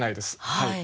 はい。